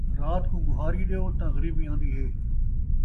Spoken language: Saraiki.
رات کوں ٻوہاری ݙیو تاں غریبی آن٘دی ہے